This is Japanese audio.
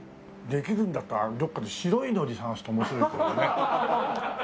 できるんだったらどこかで白い海苔探すと面白いかもね。